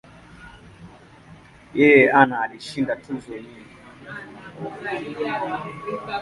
Yeye ana alishinda tuzo nyingi.